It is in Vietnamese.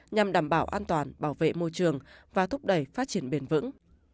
nhằm đảm bảo an toàn bảo vệ môi trường và thúc đẩy phát triển bền vững